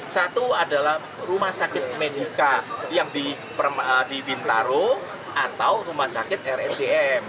satu adalah rumah sakit medika yang di bintaro atau rumah sakit rsjm